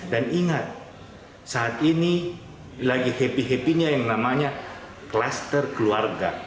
dan ingat saat ini lagi happy happiness yang namanya klaster keluarga